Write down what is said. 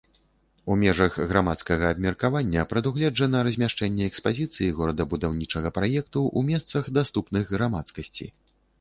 У межах грамадскага абмеркавання прадугледжана размяшчэнне экспазіцыі горадабудаўнічага праекту ў месцах, даступных грамадскасці.